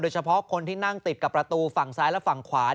เฉพาะคนที่นั่งติดกับประตูฝั่งซ้ายและฝั่งขวา